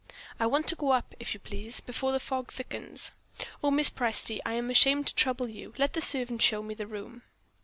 "I want to go up, if you please, before the fog thickens. Oh, Mrs. Presty, I am ashamed to trouble you! Let the servant show me the room."